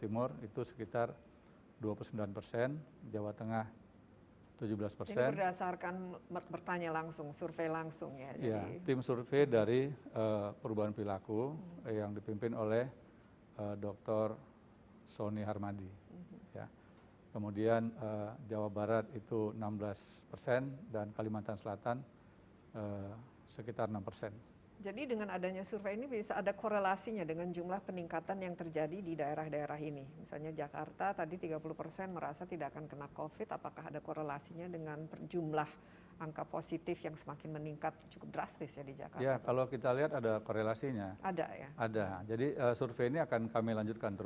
menjaga jarak dan menghindari kerumunan